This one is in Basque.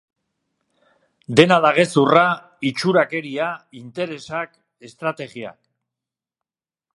Dena da gezurra, itxurakeria, interesak, estrategiak.